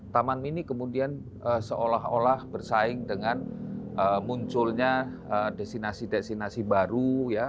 taman mini kemudian seolah olah bersaing dengan munculnya destinasi destinasi baru ya